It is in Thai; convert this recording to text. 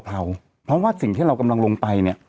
เพราะว่าสิ่งที่เรากำลังลงไปเนี่ย